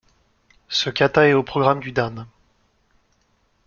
Ce kata est au programme du dan.